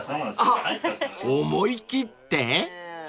［思い切って？］